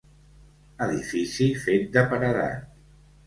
Edifici fet de paredat.